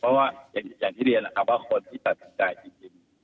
เพราะว่าอย่างที่เรียนนะครับว่าคนที่ตัดสินใจจริง